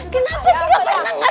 kenapa sih gak pernah nengar